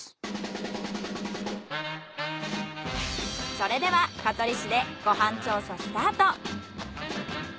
それでは香取市でご飯調査スタート。